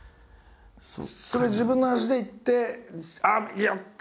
それは自分の足で行ってやった！